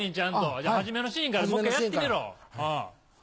じゃあ初めのシーンからもう１回やってみろ。